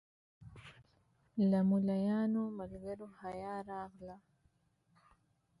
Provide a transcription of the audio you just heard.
له ملایانو ملګرو حیا راغله.